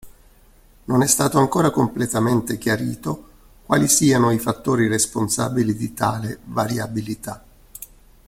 Non è stato ancora completamente chiarito quali siano i fattori responsabili di tale variabilità.